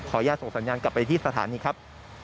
อนุญาตส่งสัญญาณกลับไปที่สถานีครับ